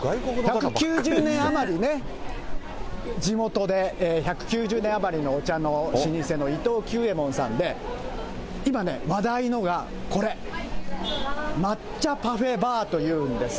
１９０年余りね、地元で１９０年余りのお茶の老舗の伊藤久右衛門さんで、今ね、話題のがこれ、抹茶パフェバーというんです。